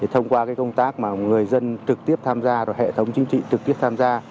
thông qua công tác mà người dân trực tiếp tham gia được hệ thống chính trị trực tiếp tham gia